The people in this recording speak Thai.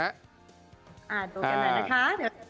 ดูกันหน่อยนะคะ